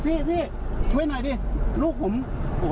พ่อแม่รีบขับรถติดหัวใจหยุดเต้น